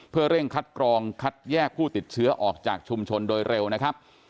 เพื่อเร่งคัดกรองคัดแยกผู้ติดเชื้อออกจากชุมชนโดยเร็วนะครับ